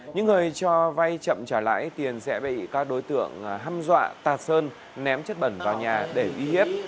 những người cho vay chậm trả lãi tiền sẽ bị các đối tượng hăm dọa tạt sơn ném chất bẩn vào nhà để uy hiếp